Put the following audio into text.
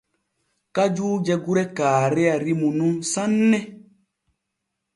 Kajuuje gure Kaareya rimu nun sanne.